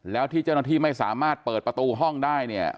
แล้วที่เจ้าหน้าที่ไม่สามารถเปิดประตูห้องได้เนี่ย